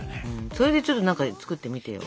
それでちょっと何か作ってみてよ。